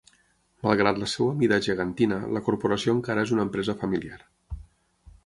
Malgrat la seva mida gegantina, la corporació encara és una empresa familiar.